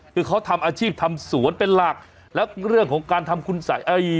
คือเขาทำอาชีพทำสวนเป็นหลักแล้วเรื่องของการทำคุณสัย